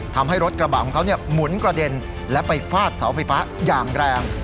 ทำให้รถกระบะของเขาหมุนกระเด็นและไปฟาดเสาไฟฟ้าอย่างแรง